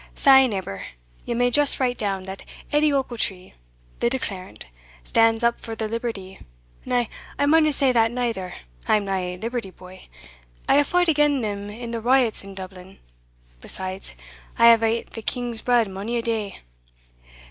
Sae, neighbour, ye may just write down, that Edie Ochiltree, the declarant, stands up for the liberty na, I maunna say that neither I am nae liberty boy I hae fought again' them in the riots in Dublin besides, I have ate the King's bread mony a day.